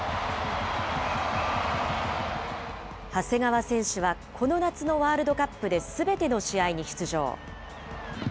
長谷川選手はこの夏のワールドカップですべての試合に出場。